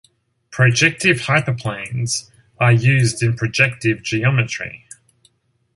Projective hyperplanes, are used in projective geometry.